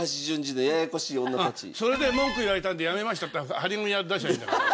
それで文句言われたんでやめましたって貼り紙出しゃあいいんだから。